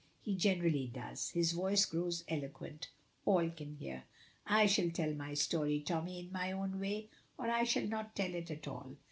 He generally does. His voice grows eloquent. All can hear. "I shall tell my story, Tommy, in my own way, or I shall not tell it at all!"